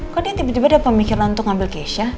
kok dia tiba tiba dia pemikiran untuk ngambil keisha